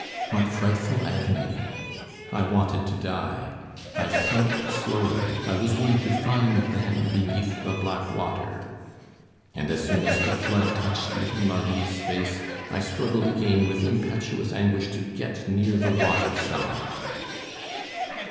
What frightful agony! I wanted to die; I sunk slowly, I was going to find them beneath the black water. And as soon as the flood touched little Marie's face, I struggled again with impetuous anguish to get near the waterside.